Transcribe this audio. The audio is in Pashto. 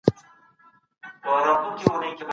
عدالت به په ټوله نړۍ کي پلی سي.